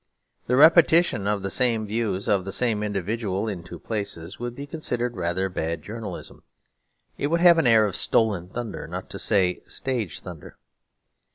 The repetition of the same views of the same individual in two places would be considered rather bad journalism; it would have an air of stolen thunder, not to say stage thunder.